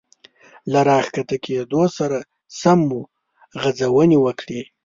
له را ښکته کېدو سره سم مو غځونې وکړې.